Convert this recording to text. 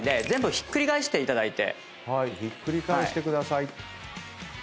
ひっくり返していただいて。